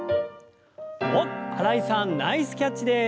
おっ新井さんナイスキャッチです！